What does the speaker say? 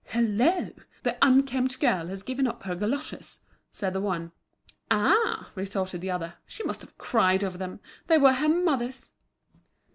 "Hullo! the 'unkempt girl' has given up her goloshes," said the one. "Ah," retorted the other, "she must have cried over them. They were her mother's."